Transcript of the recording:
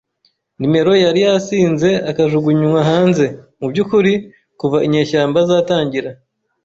nimero yari yasinze akajugunywa hanze. Mubyukuri, kuva inyeshyamba zatangira,